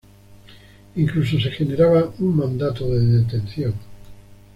Incluso se generaba un mandato de detención.